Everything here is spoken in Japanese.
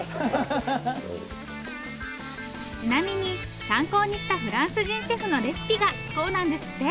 ちなみに参考にしたフランス人シェフのレシピがこうなんですって。